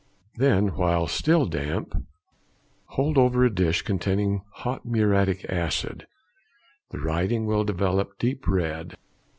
Then, while still damp, hold over a dish containing hot muriatic acid; the writing will develop deep red.